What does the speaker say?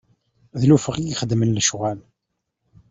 D lufeq i yexeddmen lecɣwal.